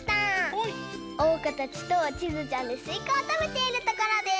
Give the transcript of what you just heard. おうかたちとちづちゃんですいかをたべているところです。